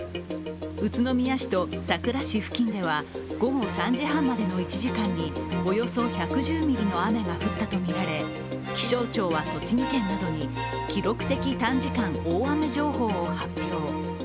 宇都宮市とさくら市付近では午後３時半までの１時間におよそ１１０ミリの雨が降ったとみられ気象庁は栃木県などに記録的短時間大雨情報を発表。